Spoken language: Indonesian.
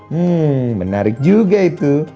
hmm menarik juga itu